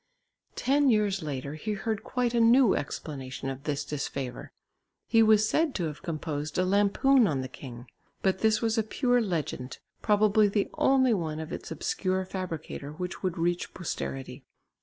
Ten years later he heard quite a new explanation of this disfavour. He was said to have composed a lampoon on the king. But this was a pure legend, probably the only one of its obscure fabricator which would reach posterity.